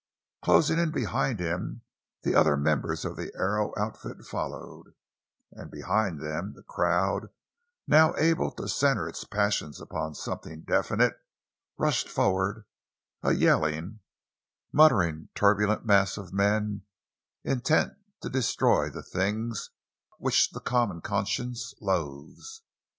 Closing in behind him, the other members of the Arrow outfit followed; and behind them the crowd, now able to center its passion upon something definite, rushed forward—a yelling, muttering, turbulent mass of men intent to destroy the things which the common conscience loathes.